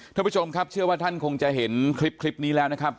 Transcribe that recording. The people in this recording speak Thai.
ท่านผู้ชมครับเชื่อว่าท่านคงจะเห็นคลิปนี้แล้วนะครับ